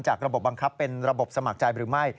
ระบบบังคับเป็นระบบสมัครใจหรือไม่